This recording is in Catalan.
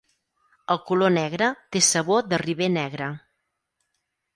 El color negre té sabor de riber negre.